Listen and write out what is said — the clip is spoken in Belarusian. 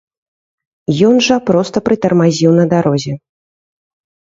Ён жа проста прытармазіў на дарозе.